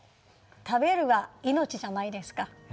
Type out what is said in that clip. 食べるは命じゃないですか。